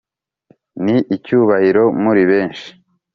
ni icyubahiro muri benshi.